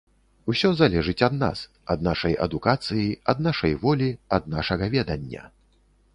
Усё залежыць ад нас, ад нашай адукацыі, ад нашай волі, ад нашага ведання.